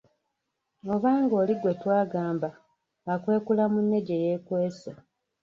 Obanga oli gwe twagamba, akwekula munne gye yeekwese.